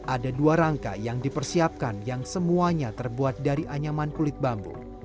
ada dua rangka yang dipersiapkan yang semuanya terbuat dari anyaman kulit bambu